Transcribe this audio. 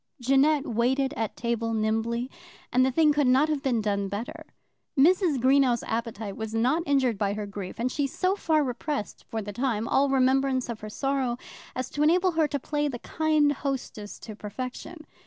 Jeannette waited at table nimbly, and the thing could not have been done better. Mrs. Greenow's appetite was not injured by her grief, and she so far repressed for the time all remembrance of her sorrow as to enable her to play the kind hostess to perfection.